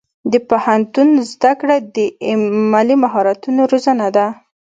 د پوهنتون زده کړه د عملي مهارتونو روزنه ده.